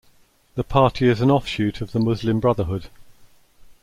The party is an offshoot of the Muslim Brotherhood.